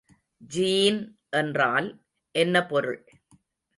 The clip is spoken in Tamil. ஜீன் என்றால் என்ன பொருள்?